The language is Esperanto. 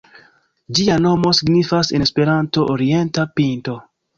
Ĝia nomo signifas en Esperanto Orienta Pinto.